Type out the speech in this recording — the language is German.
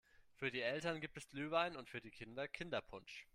Für die Eltern gibt es Glühwein und für die Kinder Kinderpunsch.